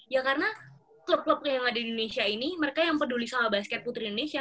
ya karena klub klub yang ada di indonesia ini mereka yang peduli sama basket putri indonesia